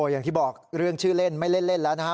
อย่างที่บอกเรื่องชื่อเล่นไม่เล่นแล้วนะฮะ